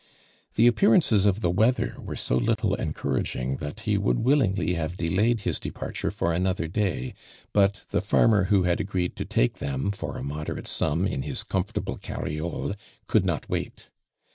The appearances of the weather were so little encouraging that he would wiUingly have delayed his departure for another day, but the farmer who had agreed to take them for a moderate sum in his comfortable carriolo, could not wait.